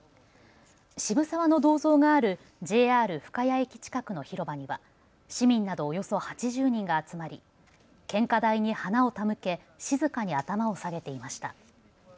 渋沢の銅像があるＪＲ深谷駅近くの広場には市民などおよそ８０人が集まり献花台に花を手向け、静かに頭を下げていました。